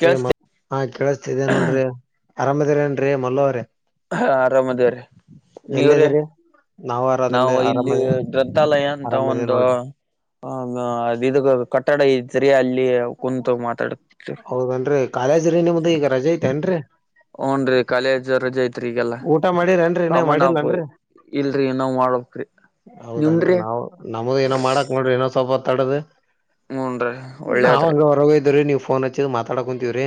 ಕೇಳಸ್ತ ಹಾ ಕೇಳಿಸತಿದ್ದೇ ನೋಡ್ರಿ ಆರಾಮದಿರೇನ್ರೀ ಮಲ್ಲೋವ್ರಿ. ಹಾ ಆರಾಮ್ ಅದೇ ರೀ. ಎಲ್ಲ್ದೀರಿ. ನಾವು ಇಲ್ಲಿ ಗ್ರಂಥಾಲಯ ಅಂತ ಆರಾಮದೇ ಒಂದು ನೋಡ್ರಿ [unintelligible] ಹ ಅದು ಇದು ಕಟ್ಟಡ ಇ ಸರಿಯ ಅಲ್ಲಿ [unintelligible] ಅಲ್ಲಿ ಕುಂತ ಮಾತಾಡತ ಹೌದನ್ರಿ ಕಾಲೇಜ್ ರೀ ನಿಮ್ದು ಈಗ ರಜೆ ಐತೆೇನ್ರರಿ [unintelligible] ಓನ್ ರೀ ಕಾಲೇಜ್ ರಜೆ ಐತೆ. ತ್ ಈಗೆಲ್ಲ ಊಟ ಮಾಡಿರೇನ್ರಿ ಇನ್ನ ಕಾಮನ್ಪ ಮಾಡಿಲ್ಲನ್ರಿ ಇಲ್ರಿ ನೋ್ ಮಾಡ್ಬಕ್. [unintelligible] ಹೌದನ್ರಿ ನಾವು ನಮ್ದು ಏನೋ ಮಾಡಕ್ ನೋಡರಿ ಏನೋ ಸ್ವಲ್ಪವತ್ ಮಾತಾಡದು ಹೂನ್ರಿ ನಾವ್ ಒಳ್ಳೇದ್ರಿ ಹಂಗ ಹೊರಗ ಇದ್ದವ್ರೀ ನೀವು ಫೋನ್ ಹಚ್ಚಿದ್ ಮಾತಾಡಕೊಂತೀವ್ರಿ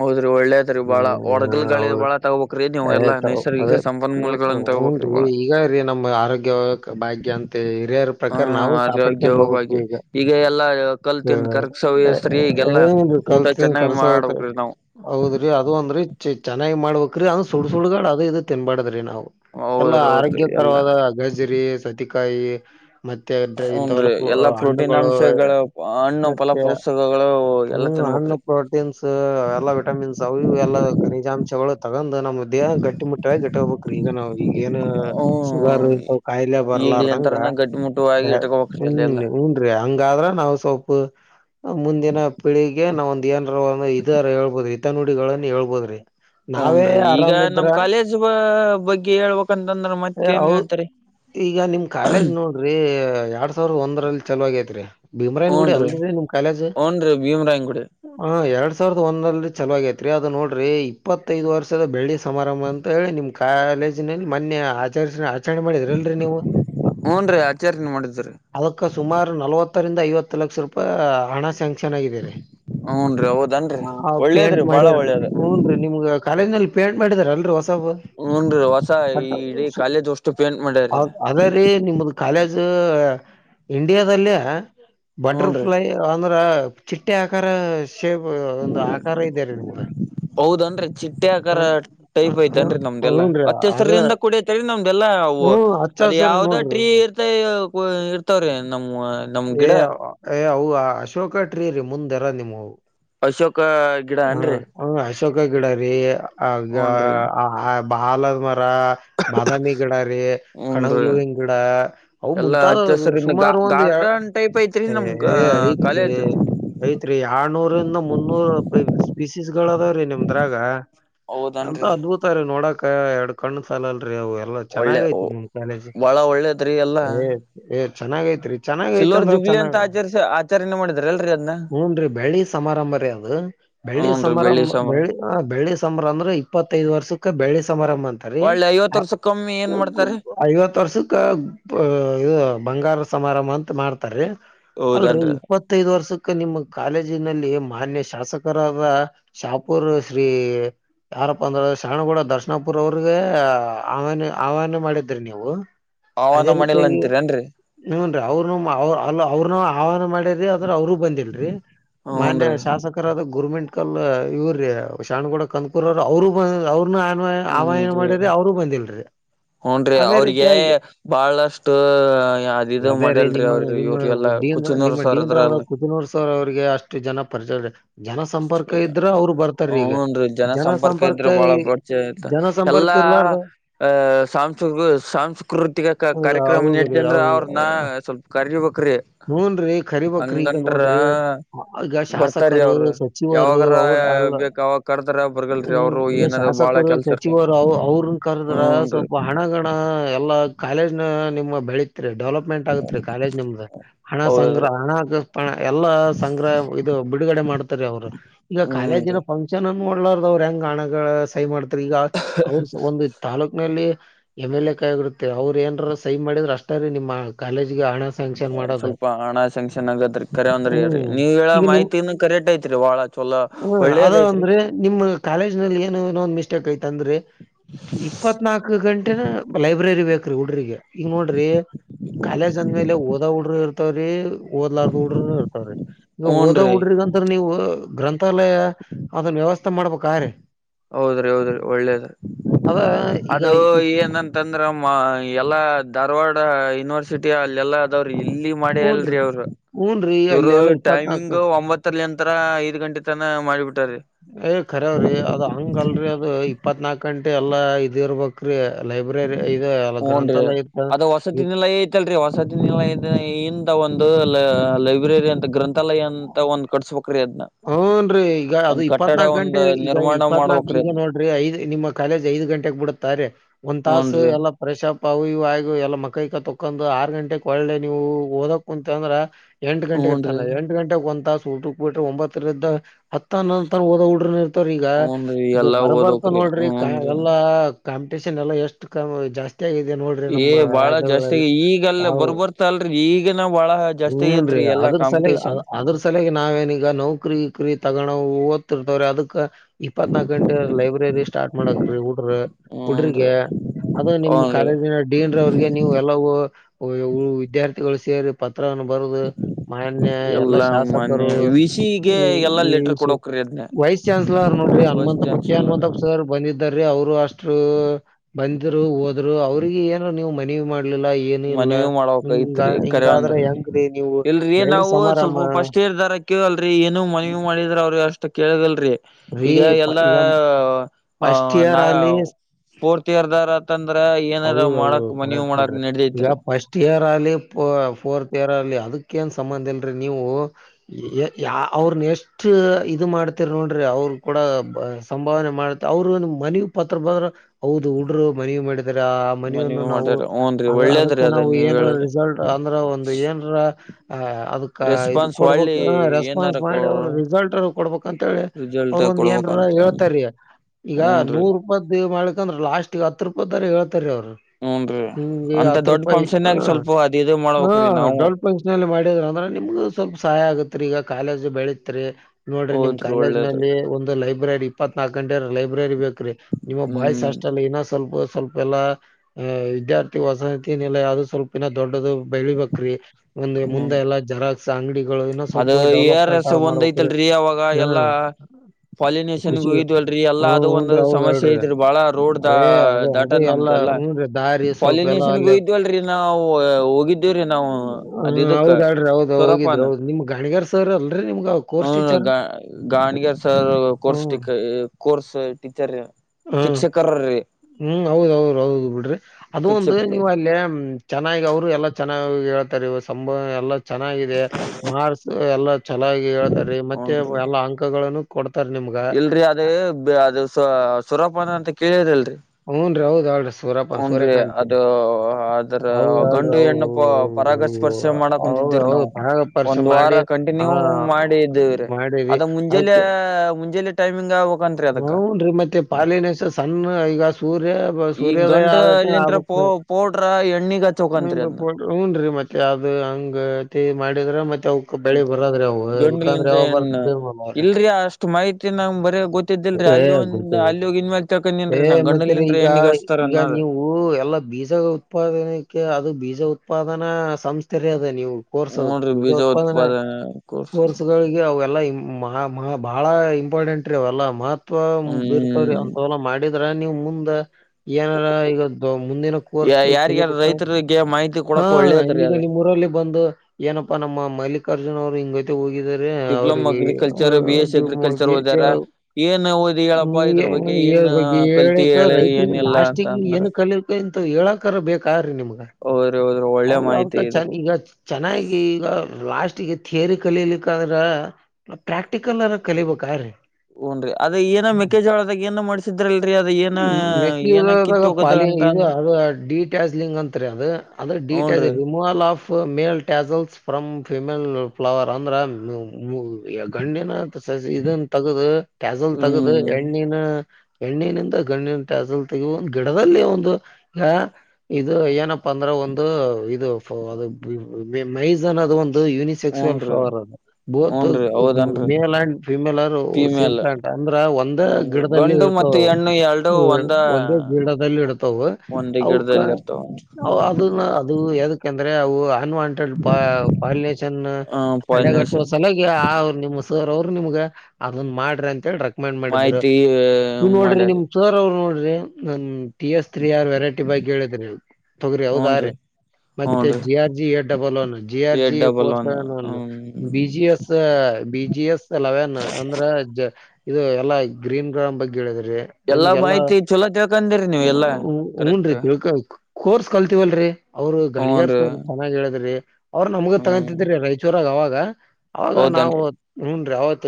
ಹೌದ್ರಿ ಒಳ್ಳೇದ ರೀ ಬಾಳ ಒಡಗಲ್ಗಳಿ ಬಾಳ ತಗೋಬಬೇಕ ರೀ ಆ್ತದ ಹ್ಮ ಹುನ್ ತಗೋಬೇಕ್ರಿ ರೀ ಬಾಳ ಈಗ ರೀ ನಮ್ ಆರೋಗ್ಯ ಭಾಗ್ಯ ಅಂತ ಇ ಹಾ ಪ್ರಕಾರ ನಾವು ಕಾಡ್ಕಂತ ಆರೋಗ್ಯವಾಗಿ ಹೋಗಬೇಕ ಈಗ ಎಲ್ಲಾ ಕಲ್ ತಿಂದ ಕರ್ಗಸವ್ ಹೆಸ್ರಿ ಈಗೆಲ್ಲಾ ಈಗ ಊಟ ಕಲ್ತ ಚೆನ್ನಾಗಿ ಕರ್ಸೋಗ ಮಾಡ್ಬೇಕ್ರಿ ನಾವು ಹೌದ್ರಿ ಅದು ಅಂದ್ರಿ ಚ ಚೆನ್ನಾಗಿ ಮಾಡ್ಬೇಕರೀ ಅದ ಸುಡ್ ಸುಡುಗಡ ಅದು ಇದು ತಿನ್ಬಾಡ ಡ ನಾವು ಎಲ್ಲ ಹೌದ್ರಿ ಹೌದ್ರಿ ಎಲ್ಲಾ ಆರೋಗ್ಯಕರವಾದ ಗಜ್ಜರಿ ಸೋತೆಕಾಯಿ ಮತ್ತೆ ಅ ಹೂನ್ರಿ ಇಂಥವೆಲ್ಲ ಎಲ್ಲಾ ಪ್ರೋಟೀನ್ ಹಣ್ಣುಗಳು ಅಂಶಗಳು ಹಣ್ಣು ಮತ್ತೆ ಫಲಪುಸ್ತಕಗಳು ಎಲ್ಲಾ ಹ್ಮ ಹಣ್ಣು ತಿನ್ಬೇಕ್ರಿ ಪ್ರೋಟೀನ್ಸ್ ಎಲ್ಲ ವಿಟಮಿನ್ಸ್ ಅವ ಇವ ಎಲ್ಲ ಖನಿಜಾಂಶಗಳು ತಗೊಂಡ್ ನಮ್ಮ ದೇಹ ಗಟ್ಟಿ ಮುಟ್ಟ ಆಗಿ ಇಟಕೋಬೇಕು ಈಗ ನಾವ ಈಗೇಏನು ಹ್ಮ ಶುಗರ್ ಇಂತವ ಕಾಯಿಲೆ ಬರ್ಲಾರ್ದಂಗ ಈಗ್ಲಿಂತರನ ಗಟ್ಟಿಮುಟ್ಟುವಾಗಿ ಇಟ್ಕೋಬೇಕ್ರಿ ಅಲ್ಲ ಹ್ಮ ಎಲ್ಲಾ ಹುನ್ ರಿ ಹಂಗಾದ್ರ ನಾವು ಸೋಪು ಮುಂದಿನ ಪೀಳಿಗೆ ನಾವ ಒಂದ ಏನಾರ ಒ ಇದಾರ ಹೇಳ್ಬೋದ್ರಿ ಹಿತ್ ನುಡಿಗಳನ್ನ ಹೇಳ್ಬೋದ್ರಿ ನಾವೇ ಹೂನ್ರಿ ಈಗ ಆರಾಮಿದ್ರ ನಮ್ ಕಾಲೇಜ್ ಬ ಬಗ್ಗೆ ಹೇಳ್ಬೇಕಂತಂದ್ರೆ ಏ ಮತ್ತ ಹೌ ಏನ್ ಹೇಳ್ತಾರೀ ಈಗ ನಿಮ್ ಕಾಲೇಜ್ ನೋಡ್ರಿ ಎರಡ್ ಸಾವಿರದ ಒಂದರಲ್ಲಿ ಚಲೋ ಆಗೇತ್ರಿ ಭೀಮ್ರಾಯನ್ ಗುಡಿ ಅಲ್ ರೀ ಹುನ್ರಿ ಭೀಮರಾಯಂಗ ಗುಡಿ ಹ ಎರಡ್ ಸಾವಿರದ ಒಂದಲ್ಲಿ ಚಲವಾಗಾತಿ ರೀ ಅದು ನೋಡ್ರಿ ಇಪ್ಪತ್ತೈದು ವರ್ಷದ ಬೆಳ್ಳಿ ಸಮಾರಂಭ ಅಂತ ಹೇಳಿ ನಿಮ್ಮ್ ಕಾಲೇಜಿನಲ್ಲಿ ಮೊನ್ನೆ ಆಚರಿಸ ಆಚರಣೇ ಮಾಡಿದ್ರಿ ನೀವು ಹೂನ್ರಿ ಆಚಾರ್ಯನ್ ಮಾಡಿದ್ರಿ ಅದಕ್ಕ ಸುಮಾರು ನಲವತ್ತು ನಲವತ್ತರಿಂದ ಐವತ್ತು ಲಕ್ಷ ರೂಪಾಯಿ ಹಣ ಸಂ ಚೆನ್ನಾಗ ಹೂನ್ರಿ ಹೌದನ್ರಿ ಪೇಂಟ್ ಒಳ್ಳೇದ್ರಿ ಬಾಳ ಮಾಡ್ಯಾರ ಒಳ್ಳೇದ ಹುನ್ ರೀ ನಿಮ್ಗ ಕಾಲೇಜ್ ನಲ್ಲಿ ಪೇಂಟ್ ಮಾಡಿದರ ರೀ ಹೊಸ ಹೂನ್ರಿ ಹೊಸ ಈ ಇಡೀ ಕಾಲೇಜ್ ಅಷ್ಟು ಪೇಂಟ್ ಮಾಡ್ಯಾರಿ ಅರೆ ನಿಮ್ಮದು [unintelligible] ಕಾಲೇಜು ಇಂಡಿಯಾದಲ್ಲಿ ಬಟರ ಹೂನ್ರಿ ರ್ಫ್ಲೈ ಅಂದ್ರ ಚಿಟ್ಟೆ ಆಕಾರ ಶೇಪ್ ಒಂದು ಆಕಾರ ಇದಾರೆ ನಿಮಗೆ ಹೌದನ್ರಿ ಚಿಟ್ಟೆ ಟೈಪ್ ಐತನ್ ರೀ ನಮ್ದೆಲ್ಲ ಹೂನ್ರಿ ಅತ್ತ್ ಅದ ಸರದಿಂದ ಕೂಡ ಐತೆ ನಮ್ದೆಲ್ಲ ಅವು ಹ್ಮ ಹಚ್ಚ ಅದ ಹಸರ ಯಾವ ಹದ ನೋಡ್ರಿ ಟ್ರೀ ಇರ್ತ ಇರ್ತವ್ರೀ ನಮ ಏ ಏ ಅವು ಅಶೋಕಟ್ರಿ ರಿ ಮುಂದೆರ ನಿಮ್ಮವು ಅಶೋಕ ಗಿಡ ಅನ್ರಿ ಚಕ ಗಿಡ ರೀ ಆಲದ ಮ ಬಾದಾಮಿ ಗಿಡ ರೀ ಹೂನ್ರಿ ಕಣಗ ಗಿಡ ಅ ಎಲ್ಲಾ ಮುಂತಾದ ಹಚ್ಚ ಹಸರಿಂದ ಗಾ ಸುಮಾರು ಒ ಗಾರ್ಡನ್ ಟೈಪ್ ಐತ್ರಿ ನಮ್ ಏ ಐತ್ರಿ ಕಾಲೇಜ್ ಐತ್ರಿ ಆಳ್ನೂರಿಂದ ಮುನ್ನೂರ ಸ್ಪೀಸೀಸ್ ಅದಾವೀ ನಿಮ್ದ್ರಾಗ ಎಂತ ಹೌದನ್ರಿ ಅದ್ಭುತ ರೀ ನೋಡಕ ಕಾ ಎರಡ್ ಕಣ್ಣು ಸಾಲಲ್ ಅ ಎಲ್ಲ ಚೆನ್ನಾಗ ಒಳ್ಳೆ ಐತ್ರಿ ನಮ್ಮ ಕಾಲೇಜ್ ಬಾಳ ಒಳ್ಳೇದ್ರಿ ಎಲ್ಲಾ ಚೆನ್ನಾಗ್ ಐತ್ರಿ ಚೆನ್ನಾಗ್ ಐತಿ ಸಿಲ್ವರ್ ಜುಬ್ಲಿ ಅಂತ ಆಚರಿಸಿ ಆಚರಣೆ ಮಾಡಿದ್ರ ಅಲ್ರರಿ ಅದನ್ನ ಹೂನ್ ರೀ ಬೆಳ್ಳಿ ಸಮಾರಂಭರೀ ಅದು ಬೆಳ್ಳಿ ಹೂನ್ರಿ ಸಮಾರಂಭ ಸಂಭ್ರಮ ಬೆಳ್ಳಿ ಬೆಳ್ಳಿ ಸಮಾರಂಭ ಅಂದ್ರೆ ಇಪ್ಪತ್ತೈದು ವರ್ಷಕ ಸಮಾರಂಭ ಅಂತ ರೀ ಒಳ್ಳೆ ಐವತ್ ವರ್ಷಕ್ಕೊಮ್ಮಿ ಏನ್ ಮಾಡ್ತಾರಿ ಐವತ್ತು ವರ್ಷಕ್ ಇದು ಬಂಗಾರ ಸಮಾರಂಭ ಅಂತ ಮಾಡ್ತಾರೆ ಅಲ್ರೀ ಹೌದನ್ರಿ ಇಪ್ಪತ್ತೈದು ವರ್ಷಕ್ಕೆ ನಿಮ್ಮ ಕಾಲೇಜಿನಲ್ಲಿ ಮಾನ್ಯ ಶಾಸಕರಾದ ಶಾಪೂರ್ ಶ್ರೀ ಯಾರಪ್ಪ ಅಂದ್ರ ಶರಣಗೂಡ ದರ್ಶನಪುರ ಅವ್ರಿಗೆ ಆಹ್ವಾನ ಆಹ್ವಾನ ಮಾಡಿದ್ರಿ ನೀವು ಆಹ್ವಾನ ಅದೇ ರೀತಿ ಮಾಡಿಲ್ಲ ಅಂತೀರೇನ್ರರಿ ನೀನ್ ಅವ್ರನು ಅವ ಅಲ್ಲ ಅವ್ರನ ಆಹ್ವಾನ ಮಾಡಿರಿ ಆದದ್ರ ಅವರುೂ ಬಂದಿಲ್ರಿ ಮಾನ್ಯ ಹೂನ್ರಿ ಶಾಸಕರಾದ ಗೋರ್ಮೆಂಟ್ ಲ್ಲ ಇವ್ರೀ ಶಾಣ್ ಕೂಡ ಕಂದ್ಕೂರ ಅವ್ರು ಬಂದ ಅವ್ರ ಆವಹಾನ ಮಾಡಿದ್ರಿ ಅವರುೂ ಬಂದಿಲ್ರರಿ ಹುನ್ರಿ ಅವ್ರಿಗೆ ಬಹಳಷ್ಟು ಅದು ಇದು ಅದೇ ರೀ ಮಾಡೀಲ್ ನಿಮ್ಮ ನಿಮ್ಮ ಡಿನ್ ನಿಮ್ಮ ಡಿನ್ರ ಆದ ಅದ್ರಲ್ಲ ಕುದುನೂರ್ ಸರ್ ಅವರ್ ಅವರಿಗೆ ಅಷ್ಟು ಜನ ಪರಿಚಯಾ ಅಷ್ಟ ಈಗ. ಹುನ್ರಿ ಜನ ಸಂಪರ್ಕ ಇದ್ರೆ ಬಹಳ ಪರಿಚಯ ಆಯತ ಜನ ಎಲ್ಲ ಸಂಪರ್ಕ ಇರ್ಲಾರ್ದ ಆ ಸಾಂಸ್ ಸಾಂಸ್ಕೃತಿಕ ಹೌದ ಕಾರ್ಯಕ್ರಮ ನಡ್ತ ಹೌದ್ರಿ ಅಂದ್ರೆ ಹೌದು ಅವ್ರನ್ನ ಸ್ವಲ್ಪ ಕರಿಬೇಕ್ರಿ ಹೂನ್ರಿ ಕರಿಬೇಕ್ರಿ ಈಗ ಹ್ಯಾಂಗದ್ರ ನೋಡ್ರಿ ಈಗ ಬರ್ತಾರೀ ಶಾಸಕರು ಅವ್ರ ಸಚಿವರು ಯಾವಾಗರ ಅವ್ರ ಅಲ್ಲ ಬೇಕ ಅವಾವಾಗ ಕರ್ದರ ಬರಲ್ರಿ ಹ್ಮ್. ಅವರು ಏನಾರ ಬಾಳ ಕೆಲ್ಸ ಇರ್ತ ಕರದ್ರ ಸ್ವಲ್ಪ ಹಣಗಣ ಎಲ್ಲಾ ಕಾಲೇಜ್ ನ ನಿಮ್ ಬೆಳೀತ್ರಿ ಡೆವಲಪ್ಮೆಂಟ್ ಆಗ ಕಾಲೇಜ್ ನಿಮ್ದ ಹಣ ಹೌದ್ರಿ ಸಂಗ್ರಹ ಹಣ ಎಲ್ಲಾ ಸಂಗ್ರಹ ಇದು ಬಿಡುಗಡೆ ಮಾಡ ಅವರು ಈಗ ಕಾಲೇಜಿನ ಹೂನ್ರಿ ಫಂಕ್ಷನ್ ಅನ್ ನೋಡ್ಲಾರ ಅವ್ರು ಹೆಂಗ್ ಹಣಗಳ ಸಹಿ ಮಾಡ್ತ ಈಗ ಅವ್ರ ಒಂದು ತಾಲೂಕ್ಲುನಲ್ಲಿ ಎಮ್ ಎಲ್ ಎ ಕೈ ಆಗಿರುತ್ತೆ ಅವ್ರ ಏನ್ರಾರ ಸೈ ಮಾಡಿದ್ರ ಅಷ್ಟ ರೀ ನಿಮ್ಮ ಕಾಲೇಜ್ ಸ್ವಲ್ಪ ಹಣ ಸಕ್ಷನ್ ಆಗದ್ರಿ ಕರೆವಂದ್ರಿರಿ ನೀವ ಹೇಳ ಮಾಹಿತಿನ ಕರೆಟ್ ಐತ್ರಿ ಬಾಳ ಚೊಲೋ ಹ್ಮ ಅದ ಒಳ್ಳೇದ ಐತ್ರಿ ಅಂದ್ರೆ ನಿಮ ಕಾಲೇಜ್ ನಲ್ಲಿ ಏನು ಇನೊಂದ್ ಮಿಸ್ಟೇಕ್ ಐತ್ ಅಂದ್ರೆ ಇಪ್ಪತ್ನಾಕು ಗಂಟೆನು ಲೈವ್ ಬೈಬ್ರರಿ ಬೇಕ್ರಿ ಹುಡ್ರಿಗೆ ಈಗ ನೋಡ್ರಿ ಕಾಲೇಜ್ ಅಂದ ಮೇಲೆ ಓದ ಹುಡುಗರು ಇರ್ತವ್ರಿ ಓದ್ಲಾರ್ದ ಹುಡುಗರು ಇರ್ತವ್ರೀ ಈವ ಓದ ಹೂನ್ರಿ ಹುಡ್ರುಗಂತ ನೀವು ಗ್ರಂಥಾಲಯ ಅದನ್ ವ್ಯವಸ್ಥೆ ಮಾಡ್ಬೇಕ್ರೀ ಹೌದ್ರಿ ಹೌದ್ರಿ ಒಳ್ಳೇದು ಅದ ಈಗ ಅದು ಏನಂತಂದ್ರ ಎಲ್ಲ ಧಾರವಾಡ ಯುನಿವರ್ಸಿಟಿ ಅಲ್ಲಿ ಎಲ್ಲಾ ಅದಾವ್ರಿ ಇಲ್ಲಿ ಹೂನ್ರಿ ಮಾಡಿಅಲ್ರರಿ ಅವರು ಹೂನ್ರಿ ಇವರು ಅಲ್ಲಿ ಎಲ್ಲಾ ಟೈಮಿಂಗ್ ಇಪ್ಪತ್ನಾಕ ಒಂಬತ್ತರ ನಂತರ ಐದು ಗಂಟೆ ತನ ಮಾಡಿಬಿಟ್ಟಾರಿ ಏ ಕರವ್ರಿ ಅದ ಹಂಗ ಅಲ್ರಿ ಅದು ಇಪ್ಪತ್ನಾಕಕ್ ಗಂಟೆ ಅಲ್ಲೇ ಇರ್ಬೇಕ್ರೀ ಲೈಬ್ರರಿ ಇದ ಹುನ್ರಿ ಗ್ರಂಥಾಲಯ ಇತ್ತ ಅದ ಹೊಸತಿನಿಲಯ ಐತಲ್ರರಿ ಹೊಸತಿನಿಲಯ ಇದು ಏನ್ ಅಂತ ಒಂದು ಲ ಲೈಬ್ರರಿ ಅಂತ ಗ್ರಂಥಾಲಯ ಅಂತ ಒಂದ್ ಕಟ್ಸ್ಬೇಕ್ರಿ ಅದ್ನ್ನ ಹುನ್ರಿ ಈಗ ಅದು ಇಪ್ಪತ್ನಾಕಕ್ ಗಂಟೆ ಈಗ ನಿರ್ಮಾಣ ಇಪ್ಪತ್ನಾಕ್ ಮಾಡ್ಬೇಕ್ರಿ ಈಗ ಅದ್ನ ನೋಡ್ರಿ ಐದ್ ನಿಮ್ಮ ಕಾಲೇಜ್ ಐದ್ ಗಂಟೆ ಗಂಟೆ ಬಿಡುತ್ತಾರೆ ಒಂದ್ ತಾಸು ಹೂನ್ರಿ ಎಲ್ಲ ಫ್ರೆಶ್ ಅಪ್ ಇವು ಆಗ ಎಲ್ಲ ಮಕೈಕ ತಕೊಂಡ್ ಆರ್ ಗಂಟೆಕ್ ಒಳ್ಳೆ ನೀವು ಓದಕ್ ಕುಂತ ಅಂದ್ರ ಎಂಟು ಗಂಟೆಗೆ ಹೂನ್ರಿ ಇರ್ತಾನ ಎಂಟು ಗಂಟೆಗೆ ಒಂದ ತಾಸ ಊಟಕ್ ಬಿಟ್ರೆ ಒಂಬತ್ತರಿದ ಹತ್ತ ಹನ್ನೊಂದು ತಾನಾ ಓದೋ ಹುಡುಗ್ರು ಇರ್ತಾವರಿ ಈಗ ಹೂನ್ರಿ ಈ ಎಲ್ಲಾ ಬರ್ಬರ್ತ ಓದಕ್ರಿ ನೋಡ್ರಿ ಕ ಹೂನ್ರಿ ಎಲ್ಲಾ ಕಾಂಪಿಟೇಷನ್ ಎಲ್ಲ ಎಷ್ಟು ಜಾಸ್ತಿ ಗಾಗಿದೆ ನೋಡ್ರಿ ಏ ನಮ್ಮ ಬಾಳ ಜಾಸ್ತಿ ರಾಜ್ಯಗಳಲ್ಲಿ ಈಗಲ್ಲ ನಾವು ಬರ್ಬರ್ತ ಅಲ್ರಿ ಈಗನ ಬಾಳ ಜಾಸ್ತಿ ಹುನ್ರಿ ಐತ್ರಿ ಎಲ್ಲಾ ಅದ್ರ ಸಲ ಕಾಂಪಿಟೇಷನ್ ಅದ್ರ ಸಲಗೆ ನಾವೇನೀಗ ನೌಕರರ ನೌಕ್ರಿ ಗಿಕ್ರಿ ತಗೋಲವು ಓದ್ತಿರ್ತವ್ರ ಅದಕ್ ಇಪ್ಪತ್ನಾಕ್ ಗಂಟೆ ಲೈಬ್ರ ಸ್ಟಾರ್ಟ್ ಮಾಡಕ ರೀ ಹುನ್ರಿ ಹೂನ್ರಿ ಹುಡುಗ್ರಿಗೆ ಅದು ನಿಮ ಹೂನ್ರಿ ಕಾಲೇಜಿನ ಡೀನ್ರ ಅವ್ರಿಗೆ ನೀವು ಎಲ್ಲ ವಿದ್ಯಾರ್ಥಿಗಳು ಸೇರಿ ಪತ್ ಹತ್ರ ಬರುದು ಮಾನ್ಯ ಎಲ್ಲಾ ಮೊನ್ನೆ ಶಾಸಕರು ವಿಸಿಗೆ ಎಲ್ಲಾ ಹ್ಮ್ ಈ ಲೆಟರ್ ಕೊಡಕ್ರಿ ಅದ್ನ ವೈಸ್ ಚಾನ್ಸ್ಲರ್ ನೋಡ್ರಿ ವೈಸ್ ಹನುಮಂತಪ್ಪಕ್ಕ ಚಾನ್ಸಲರ್ ಹನುಮಂತಪ್ಪ ಸರ್ ಬಂದಿದ್ ಅವ್ರು ಅಷ್ಟರು ಬಂದ್ರು ಹೋದ್ರು ಅವ್ರಿಗೆ ಏನ ನೀವು ಮನವಿ ಮಾಡ ಲಿಲ್ಲ ಏನು ಇಲ್ಲ ಮನವಿ ಹಂಗ ಮಾಡಕ್ಐತ್ರಿ ಕರೆ ಹಿಂಗಾದ್ರ ಅಂದ್ರ ಹೆಂಗ್ರೀ ನೀವು ಇಲ್ರರಿ ಬೆಳ್ಳಿ ನಾವು ಸಮಾರಂಭ ಸ್ವಲ್ಪ ಫಸ್ಟ್ ಇಯರ್ ದಾರ ಕೇಳಲ್ರಿ ಏನು ಮವಿ ಮಾಡಿದ್ರ ಅವ್ರಿ ಅಷ್ಟ್ ಕೇಳಗಲ್ರರಿ ರೀ ಈಗ ಎಲ್ಲ ಈಗ ಫಸ್ಟ್ ನ ಇಯರ್ ಅಲ್ಲಿ ಪೂರ್ತಿ ದಂದ್ರ ಏನಾರ ಹೌದ್ ಹೌದು ಮಾಡಕ್ ಮನವಿ ಕರೆಕ್ಟ್ ಮಾಡಕ್ ಬಿಡ್ರಿ ನೆಡ್ರಿ ಈಗ ಫಸ್ಟ್ ಇಯರಲಿ ಫೋರ್ತ್ ಇಯರ ಆಲಿ ಅದುಕ್ಕೆ ಅದಿಕ್ಕೇನು ಸಂಬಂಧ ಇಲ್ರರಿ ನೀವು ಯ ಅವ್ರನ್ ಎಷ್ಟ ಇದು ಮಾಡ್ತೀರ ನೋಡ್ರಿ ಅವ್ರ ಕೂಡ ಸಂಭಾವನೆ ಮಾಡುತ್ತೆ ಅವರು ಒ ಮನವಿ ಪತ್ರ ಬಂದ್ರ ಹೌದು ಹುಡುಗ್ರು ಮನವಿ ಪತ್ರ ಮಾಡಿದ್ದಾರೆ ಆ ಮನವಿಯೆನ್ನು ಮನವಿ ನಾವು ಮಾಡ್ಯಾರ ಹೂನ್ರಿ ಒಳ್ಳೇದ್ರಿ ಅದಕ್ಕೆ ಅದ ನಾವು ನೀವ್ ಏನ ಹೇಳದ ರಿಸಲ್ಟ್ ಅಂದ್ರ ಒಂದು ಎನ್ನರ ಹ ಅದಕ್ಕ ಇದದು ರೆಸ್ಪಾನ್ಸ್ ಕೊಡ್ಬೇಕ ಒಳ್ಳಿ ರೆಸ್ಪಾನ್ಸ್ ಏನಾರ ಕೊ ಮಾಡಿ ಅವ್ರ ರಿಸಲ್ಟ್ ಕೊಡ್ಬೇಕ ಅಂತ ಹೇಳಿ ರಿಸಲ್ಟ್ ಅವರು ಏನ್ರ ಕೊಡ್ಬೇಕಂತ ಹೇಳ್ತಾರೀ ಈಗ ಹೂನ್ರಿ ನೂರ್ ರೂಪಾಯ ಮಾಡಕಂದ್ರ ಲಾಸ್ಟ್ಗ ಹತ್ ರೂಪಾಯ ಹೇಳ್ತ ಹತರಿ ಅವರು ಹೂನ್ರಿ ಹ್ಮಗೆ ಅಂತ ಹತ್ತು ದೊಡ್ಡ ರೂಪಾಯಿ ಫಂಕ್ಷನ್ಾಗ ಹ ಸ್ವಲ್ಪ ಅದ ಇ ಹಾ ಮಾಡ್ಬೇಕ್ರಿ ನಾವು ಡೋಲ್ ಪಂಕ್ಷನ್ಲ್ಲಿ ಮಾಡಿದ್ರ ಅಂದ್ರೆ ನಿಮ್ಗು ಸ್ವಲ್ಪ ಸಹಾಯ ಆಗತ್ತತ್ರಿ ಈಗ ಕಾಲೇಜ್ ಬೆಳೀತ್ರಿ ನೋಡ್ರಿ ನಿಮ್ ಹೋದ್ರಿ ಕಾಲೇಜ್ ಒಳ್ಳೇದ್ರಿ ನಲ್ಲಿ ಒಂದು ಲೈಬ್ರರಿ ಇಪ್ಪತ್ ನಾಲ್ಕ ಗಂಟೆ ಲೈಬ್ರರಿ ಲೈಬ್ರರಿ ಬೇಕು್ರೀ ನಿಮ್ಮ ಬಾಯ್ಸ್ ಹ್ಮ್ ಅಷ್ಟಲ್ಲ ಇನ್ನ ಸ್ವಲ್ಪ ಸ್ವಲ್ಪ ಎಲ್ಲಾ ಅಹ ವಿದ್ಯಾರ್ಥಿ ವಸತಿನ ಇಲ್ಲ ಅದು ಸ್ವಲ್ಪ ಇನ ದೊಡ್ಡದು ಬೆಳಿಬೇಕ್ರಿ ಒಂದ ಹ್ಮ ಮುಂದೆ ಎಲ್ಲ ಜರಾಕ್ಸ್ ಅಂಗಡಿ ಅದು ಎರ್ ಎಸ್ ಒಂದ್ ಐತಿಲ್ರಿ ಅವಾಗ ಎಲ್ಲಾ ಹ್ಮ್. ಕೃಷಿ ಪಾಲಿನೇಷನ್ಗೂಯ್ದ್ವಲ್ರರಿ ಎಲ್ಲಾ ಹ್ಮ್, ಅದ ಒಂದ ಹೂನ್ರಿ ಹೌದ್ ಸಮಸ್ಯೆ ಹೇಳ್ರಿ. ಐತ್ರಿ ಬಾಳ ರೋಡ್ ದ ಏ ಅದು ದ ಅದು ಎಲ್ಲ ನಮ್ದಲ್ಲ ಹೂನ್ರಿ ದಾರಿ ಸ್ವಲ್ಪ ಎಲ್ಲ ಅಲ್ಲಿ ಪಾಲಿನಷನ್ಗೂಯ್ವಲ್ೀ ನಾವು ಹೋಗಿದ್ದೇವ್ರೀ ನಾವು ಹಾ ಅ ಇದುಕ್ಕೆ ಹೌದ್ ಅಲ್ರಿ ಹೌದ್ ಹೋಗಿದ್ರಿ ಸರಪಾನ ಹೌದ್ ನಿಮ್ ಗಾಣಿಗ್ಯಾರ್ ಸರ್ ಅಲ್ರಿ ನಿಮ್ಗ ಕೋರ್ಸ್ ಹ ಟೀಚರ್ ಗ ಗಾಣಗೆರ್ ಸರ್ ಹ್ಮ್ ಕೊರಸ್ಟಿಕ್ ಕೋರ್ಸ್ ಟೀಚರ್ ಹ್ಮ್ ಶಿಕ್ಷಕರ ರೀ ಹ್ಮ್ ಹೌದ್ೌದ್ ಹೌದು ಬಿಡ್ರಿ ಅದು ಒಂದು ಶಿಕ್ಷಕರು ನೀವು ಅಲ್ಲೇ ಚೆನ್ನಾಗಿ ಅವರು ಎಲ್ಲ ಚೆನ್ನಾಗಿ ಹೇಳ್ತಾರೆ ಇವ ಸಂಭ ಎಲ್ಲ ಚೆನ್ನಾಗಿದೆ ಮಾರ್ಸ ಎಲ್ಲ ಚೆಲಾಗಿ ಹೇಳ್ತಾರೆ ಮತ್ತೆ ಹನ್ರಿ ಎಲ್ಲಾ ಅಂಕಗಳನ್ನು ಕೊಡ್ತಾರ ನಿಮ್ಗ ಇಲ್ರರಿ ಅದೇ ಅದು ಸೂರಪನ ಅಂತ ಕೇಳಿಯದಲ್ರರಿ ಹ್ಞ ಹೌದು ಆಡ್್ರಸ್ ಹುನ್ ರಿ ಅದು ಅದ್ರ ಹೌದ್ ಅಲ್ರಿ ಗಂಡು ಹೌದ್ ಹೆಣ್ಣು ಪ ಹೌದ್ ಪರಾಗ ಹೌದ್ ಸ್ಪರ್ಶ ಮಾಡಕ್ ಹೌದ್ ಕುಂತ ಹೌದ್ ಇದ್ರ ಹೌದ್ ನಾವು ಭಾಳ ಪರಿಶ್ರಮ ಒಂದ್ ವಾರ ಮಾಡಿ ಕಂಟಿನ್ಯೂ ಹಾ ಮಾಡಿದವ್ರೀ ಮಾಡಿರಿ ಅದ ಮುಂಜೆಲೆ ಮುಂಜೆ ೈಮಂಗ ಹ್ನ್ೀ ಮತ್ತೆ ಪಾಲಿನಸ ಸಣ್ಣ ಈಗ ಸೂರ್ಯ ಈ ಸೂರ್ಯೋದಯ ಗಂಡ ಆಗ ಎಲ್ಲಿಂತ್ರ ಆಕ್ಕ ಪೋ ಹ ಪೌಡ್ರ ಎಣ್ಣಿಗ್ ಹಚ್ಚೋಕಂತ್ರಿ ಅದ್ನ ಹನ್ ರೀ ಮತ್ತೆ ಯಾವ್ ಹಂಗ ಮಾಡಿದ್ರ ಮೆ ಬೆಳಿ ಬರಂದ್ರೆ ಅವ ಉಕಾಂದ್ರೆ ಗಂಡಲಿಂತ ಅವ ಬ ಹೆಣ್ಣ ಇಲ್ರರಿ ಅಷ್ಟ್ ಮಾಹಿತಿ ನಂಗ್ ಬರ ಗೊತ್ತಿದ್ದಿಲ್ರರಿ ಅಲ್ಲಿ ಒಂದ್ ಅಲ್ಲಿ ಹೋಗಿ ಇನ್ಮೇಲ್ ತ ಏ ತಿಳ್ಕೊಂಡನ್ರಿ ನಾ ಮತ್ತ ಗಂಡಲಿಂತ್ರ ಈಗ ಹೆಣ್ಣಿಗ್ ಹಚ್ತಾರ ಈಗ ಅನ್ನದ ನೀವು ಎಲ್ಲ ಬೀಜ ಉತ್ಪಾದನೆಕ್ಕೆ ಅದು ಬೀಜ ಉತ್ಪಾದನಾ ಸಂಸ್ಥೆರ ಅದ ನೀವು ಕೋರ್ಸ್ ಅ ನೋಡ್ರಿ ಬೀಜ ಉತ್ಪಾದನೆ ಬೀಜೋತ್ಪಾದನೆ ಕೋರ್ಸ್ ಕೋರ್ಸ್ಗಳಿಗೆ ಅವೆಲ್ಲಾ ಮಹ ಮಹ ಬಹಳ ಇಂಪಾರ್ಟೆಂಟ್ ರೀ ಅವಲ್ಲ ಮಹತ್ವ ಬೀರ್ತವ್ರಿ ಹ್ಮ್ ಅಂತಲ್ಲ ಮಾಡಿ ಅ್ರ ನೀವು ಮುಂದ ಏನಾರ ಈಗ ಮುಂದಿನ ಕೋರ್ಸ್ ಯಾರಿಗಾರ ಕಲಿಬೇಕ ರೈತರಿಗೆ ಮಾಹಿತಿ ಹಾ ಕೊಡಕ್ ಒಳ್ಳೇದ್ರಿ ಈಗ ಅದ ನಿಮ್ಮ್ ಊರಲ್ಲಿ ಬಂದು ಏನಪ್ಪಾ ನಮ್ಮ ಮಲ್ಲಿಕಾರ್ಜುನ್ ಅವ್ರು ಹಿಂಗ ಹೋಗಿದಿದ್ದಾರೆ ಡಿಪ್ಲೊಮ್ ಅವ್ರಿಗೆ agriculture B S C agriculture ಓದ್ಯಾರ ಏನ್ ಓದಿ ಹೇಳಪ್ಪಾ ಇದ್ರ ಬಗ್ಗೆ ಏನ್ ಹೇಳ ಕಲ್ತಿ ಹೇಳಿ ರೈತ್ ಏನಿಲ್ಲ ಲಾಸ್ಟ ಅಂತ ಅಂದ್ರ ಏನ ಕಲಬೇಕ ಇಂತ ಹೇಳಕರ ಬೇಕ್ರೀ ನಿಮ್ಗ ಹೋದ್ರಿ ಹೋದ್ರಿ ಒಳ್ಳೆ ಮಾಹಿತಿ ಹೌದದಾ ಇದೆ ಈಗ ಚೆನ್ನಾಗಿ ಈಗ ಲಾಸ್ಟ್ ಈಗ ಥಿಯರಿ ಕಲೀಲಿಕ್ಕಂದ್ರ ಪ್ರಾಕ್ಟಿಕಲ್ ಅರ ಕಲಿಬೇಕ್ರೀ ನ್ರೀ ಅದ ಏನ ಮೆಕ್ಕೆಜೋಳದಾಗ ಏನ ಮಾಡಸಿದ್ರಲ್ರರಿ ಅದ ಏನ ಏನ ಕಿತ್ತ ಮೆಕ್ಕಿಜೋಳದಾಗ ಹೋಗೋದಾ ಪಾಲಿ ಇದು ಅದು ಡಿಟ್ಯಾಜಲಿಂಗ್ ಅಂತತ್ ರರಿ ಅದು ಅದು ಡಿಟ್ಯಾಜ ಹೂನ್ರಿ removal of male tassel from female flower ಅಂದ್ರೆ ಗಂಡಿನ ಇದ ತಗದು ಕಲ್ ತಗದು ಹ್ಮ್ ಎಣ್ಣಿನ ಎಣ್ಣಿನಿಂದ ಗಣ್ಣಿನಲ್ ತೆಗ ಒ ಗಿಡದಲ್ಲಿ ಒಂದು ಇದು ಏನಪ್ಪ ಅಂದ್ರೆ ಒಂದು ಇದು ಅ ಮೈಜನ್ ಅದು ಒಂದು ದು ಯುನಿಸೆಕ್ಸ್ಲ್ ಹೂನ್ರಿ ಫ್ಲವರ್ ಅದು ಬೋತ್ ಹೂನ್ರಿ ಹೌದನ್ರಿ male and female same female plant ಅಂದ್ರ ಒಂದೇ ಹೂನ್ರಿ ಗಿಡದಲ್ಲಿ ಗಂಡು ಇಡ್ತವ ಮತ್ತು ಹೆಣ್ಣು ಎರಡು ಒಂದ ಒಂದೇ ಗಿಡದಲ್ಲಿ ಇತ ಒಂದೇ ಗಿಡದಲ್ಲಿ ಇರ್ತಾವ ಅದನ್ನ ಅದು ಅಂದ್ರೆ ಅವು ಅನ್ವಾಂಟೆಡ್ ಪಾಲಿನೇಷನ್ ಹ ತಡೆಗಟ್ಟುವ ಪಾಲಿನೇಷನ್ ಸಲಾಗಿ ಆ ನಿಮ್ಮ ಸರ್ ಅವರು ನಿಮ್ಗ ಅದನ್ ಮಾಡ್ರಿ ಅಂತ ಹೇಳಿ ರಕ್ತ ಮಂಡ್ ಮಾಡಿದರು ಮಾಹಿತಿ ನೀವು ನೋಡ್ರಿ ನಿಮ್ ಮಾಡ್ಯಾರಿ ಸರ್ ಅವ್ರು ನೋಡ್ರಿ ನ T S three R variety ಬೈ ಹೇಳಿದ್ರಿ ತೊಗ್ರಿ ಹೌದ ರೀ ಹೂನ್ರಿ ಮತ್ತೆ ಹೂನ್ರಿ G R G A double O G R eight G double four one seven ಹ್ಮ್ B G S B G S eleven ಅಂದ್ರೆ ಇದು ಎಲ್ಲಾ ಗ್ರೀನ್ ಕಾರ್ ಬಗ್ಗೆ ಹೇಳ ಎಲ್ಲಾ ನಿಮ್ಗೆಲ್ಲಾ ಮಾಹಿತಿ ಚಲೋ ತಿಳ್ಕಂದಿರಿ ನೀವ್ ಎಲ್ಲಾ ಊನ್ ರೀ ಕರೆಕ್ಟ್ ತಿಳ್ಕಬೇಕು ಕೋರ್ಸ್ ಕಲ್ತವಲ್ರರಿ ಅವ್ರು ಗಡಿಗಾರ್ ಹೂನ್ರಿ ಸರ್ ಚೆನ್ನಾಗಿ ಹೇಳದ್ರಿ ಅವ್ರ ನಮಗ ಹ್ಮ್ ತಗೊತಿದ್ರೀ ರಾಯಚೂರಾಗ ಅವಾಗ ಅವಾಗ ನಾವು ಹೌದನ್ರಿ ನನ್ೀ ಅವತ್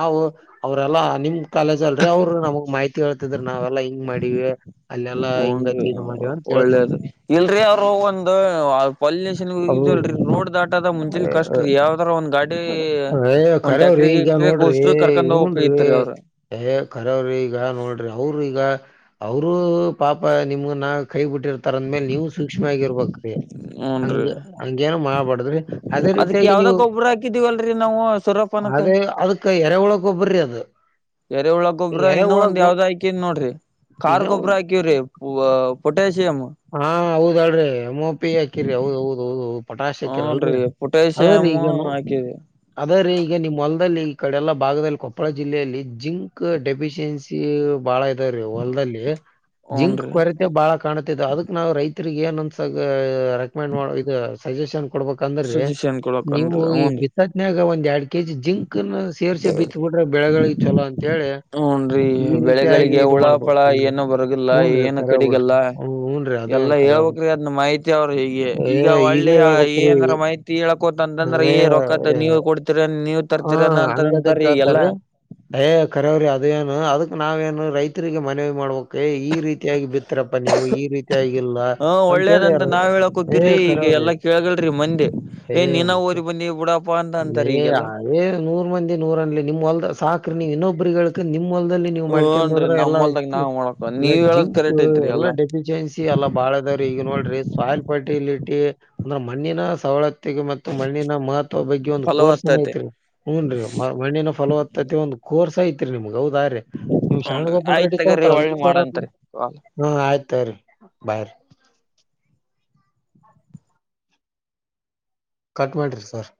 ನಾವು ಅವ್ರಲ್ಲಾ ನಿಮ್ ಕಾಲೇಜ್ ಅಲ್ರರಿ ಅವ್ರು ನಮಗ್ ಮಾಹಿತಿ ಕೇಳ್ತಿದ್ರ ನಾವೆಲ್ಲಾ ಹಿಂಗ್ ಮಾಡಿವವಿ ಹು ನ ರಿ ಒಳ್ಳೇದ ಇಲ್ರಿ ಅವರು ಒಂದು ಪಲ್ಯೂಷನ್ ಅವು ಲ್ ರೋಡ್ ದಾಟದ ಮುಂಜೆಲಿ ಕಷ್ಟ ರೀ ಯಾವರ ಒಂದ್ ಗಾಡಿ ಒ್ ಟ್ಯಾಕ್ಟ್ರ ಇಟ್ಟ್ರೆ ಗೋ ಏ ಹ್ನ್ ರೀ ಕರಾವ್ರಿ ಈಗ ನೋಡ್ರಿ ಅವ್ರೀ ಈಗ ಅವರುೂ ಪಾಪ ನಿಮ್ಗ ನ ಕೈ ಬಿಟ್ಟಿರ್ತಾರಂದ್ಮೇಲೆ ನೀವು ಸೂಕ್ಷ್ಮ ಆಗಿರ್ಬೇಕು ಹೂನ್ರಿ ಹಂಗ ಹಂಗೇನು ಮಾಡಬಡುದ್ರಿ ಅದಕ್ ಯಾವ್ದಾಗ ಗೊಬ್ಬ್ರ ಹಾಕಿದೀವಲ್ರರಿ ನಾವು ಸೊರಪನಕ್ ಅದೇ ಅದಕ್ಕ ಎರೆಹುಳ ಗೊಬ್ರರಿಯಾದ ಎರೆಹುಳ ಗೊಬ್ಬ್ರ ಇನ್ನೊ ಒಂದ್ ಯಾವ್ದ್ ಹಾಕಿದ್ ನೋಡ್ರಿ ಇದ ಕಾರ್ ಗೊಬ್ರ ಹಾಕಿವವ್ರಿ ಹ ಪಟೆ ಹಾ ಹೌದಾಡ್ರಿ ಎಮೋಪಿ ಹಾಕಿರಿ ಹೌದ್ ಹೌದ ಹೌದುೌದು ಪಟಾಶ್ ಹಾಕಿರ ಅಲ್ರಿ ಹೂನ್ರಿ ಅದೇ್ರೀ ಪೊಟ್ಯಾಸಿಯಮ್ ಈಗೋ ಹಾಕಿವಿ ಅದ್ರೆ ಈಗ ನಿಮ್ಮ್ ಹೊಲ್ದಲ್ಲಿ ಈ ಕಡೆ ಎಲ್ಲ ಭಾಗದಲ್ಲಿ ಕೊಪ್ಪಳ ಜಿಲ್ಲೆಯಲ್ಲಿ ಜಿಂಕ್ ಡೆಫಿಶಿಯನ್ಸಿ ಬಹಳ ಹೊಲ್ದಲ್ಲಿ ಜಿಂಕ್ ಹೂನ್ರಿ ಕೊರತೆ ಬಹಳ ಕಾಣ ಅದಕ್ ನಾವು ರೈತರಿರಿಗೆ ಏನ್ಂದ ರೆಕಮೆಂಡ್ ಮಾಡ ಇದು ಸಜೆಷನ್ ಕೊಡ್ಬೇಕಂದ್ರೆ ಸಜೆಷನ್ ನೀವು ಕೊಡಕನ್ರಿ ಈ ಹೂನ್ರಿ ಬಿಸಾತ್ನಾಗ ಒ ಎರಡ್ ಕೆ ಜಿ ಜಿಂಕ್ ನ ಸೇರ್ರಿಸಿ ಬಿತ್ಬಿಟ್ರ ಬೆಳೆಗಳಿಗೆ ಚಲೋ ಅಂತ ಹುನ್ರಿ ಬೆಳೆಗಳಿಗೆ ಇದು ಮಾಡ್ಬೇಕ್ ಹುಳಪಳ ನೀವು. ಏನು ಬರಗಲ್ಲ ಹೂನ್ರಿ ಏನು ಖರೆ ಬಿಡ್ರಿ. ಕಡಿಗಲ್ಲ ಹ್ಮ್ ಹೂನ್ರಿ ಅದು ಎಲ್ಲ ಒಂದ್ ಖರೆ ಬಿಡ್. ಹೇಳ್ಬೇಕ್ರಿ ಅದನ್ನ ಮಾಹತಿ ಅವ್ರ ಹೇಗೆ ಏ ಈಗ ಒಳ್ಳೆಯ ಹೇಳ್ಬೇಕ್ರಿ ಏನ್ರ ಮಾಹಿತಿ ಹೇಳ ೊ ಅಂತಂದ್ರೆ ಏ ರೊಕ್ಕತ್ ನೀವು ಕೊಡ್ತೀರ ಹಾ ಹಂಗದ ಕೇಳ್ತಾರೀ ಏ ಕರವ್ರ ಅದ ಏನು ಅದಕ್ ನಾವೇಏನು ರೈತರಿಗೆ ಮನವಿ ಮಾಡ್ಬೇಕಕ್ ಈ ಈ ರೀತಿಯಾಗಿ ಬಿತ್ತರಪ್ಪ ನೀವು ಈ ರೀತಿಯಾಗಿಲ್ಲ ಹ ಅಂತ ಹೇಳಿಾರ ಏ ಕರವ್ರಿ ಕೇಗಲ್ರಿ ಮಂದಿ ಏ್ ನೀಿನ ಊರಿ ಬನ್ನಿ ಬಿೂಡ ನಯ ಅದೇ ನೂರ್ ಮಂದಿ ನೂರ ಅನ್ಲ್ಲಿ ನಿಮ್ ಹೊಲ್ದ ಸಾಕ್ರಿ ನೀವು್ ಇನ್ನೊಬ್ರಗಳ ನಿಮ ದಲ್ಲಿ ನೀವು ಮಕ ಹೂನ್ರಿ ಹೋ್ರ ಎಲ್ಲ ನಮ್ಮಲ್ದಾಗ ನಾವ್ ಮಾಡಕ ನೀವ್ ಹೇಳದ್ ಜಿಂಕ್ ಕರೆಕ್ಟ್ ಐತ್ರಿ ಎಲ್ಲಾ ಡೆಫಿಶಿಯನ್ಸಿ ಎಲ್ಲಾ ಬಾಳ ಈಗ ನೋಡ್ರಿ ಸಾಯಿಲ್ ಫರ್ಟಿಲಿಟಿ ಅಂದ್ರೆ ಮಣ್ಣಿನ ಸವಲತ್ತಗೆ ಮತ್ತು ಮಣ್ಣಿನ ಮಹತ್ವ ಬಗ್ಗೆ ಒಂದು್ ಕೋರ್ಸನ ಫಲವತ್ತತೆ ಐತ್ರಿ ಹೂನ್ೀ ಮಣ್ಣಿನ ಫಲವತ್ತತೆ ಒಂದು ಕೋರ್ಸ್ ಐತ್ರಿ ನಿಮಗೆ ಹೌದ್ರೀ ನಿಮ್ ಹುನ್ರಿ ಶರಣಗೋಪಾಲ್ ಆಯ್ತ್ ರೆಡ್ಡಿ ತಗೋರಿ ಕತಾರಲ್ರಿ ಹೊಳ್ಳಿ ಸ ಮಾಡಂತ್ರಿ ಕಾಲ್. ಹ ಆಯ್ತ ತ ಬಾರ ಕಟ್ ಮಾಡಿ ಸರ್